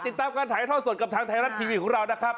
ติดตามการถ่ายทอดสดกับทางไทยรัฐทีวีของเรานะครับ